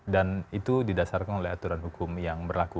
dan itu didasarkan oleh aturan hukum yang berlaku